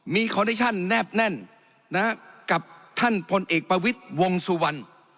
มีคอดิชั่นแนบแน่นกับท่านพลเอกประวิทย์วงสุวรรณ